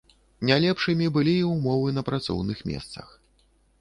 Не лепшымі былі і ўмовы на працоўных месцах.